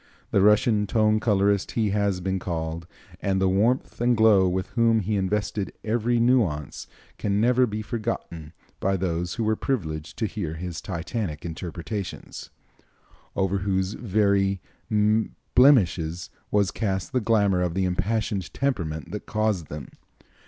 The Russian tone colorist he has been called, and the warmth and glow with which he invested every nuance can never be forgotten by those who were privileged to hear his Titanic interpretations, over whose very blemishes was cast the glamor of the impassioned temperament that caused them.